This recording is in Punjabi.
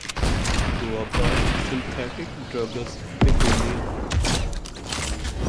ਦੁਆਬਾ ઠ ઠਸਿੰਥੈਟਿਕ ਡਰੱਗਜ਼ ਤੇ ਗੋਲੀਆਂ